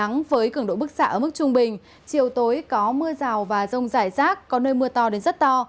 mức xả ở mức trung bình chiều tối có mưa rào và rông rải rác có nơi mưa to đến rất to